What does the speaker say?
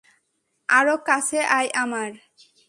আরো কাছে আয় আমার।